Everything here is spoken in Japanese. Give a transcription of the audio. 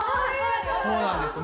そうなんです。